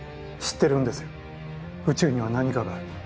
宇宙には何かがある。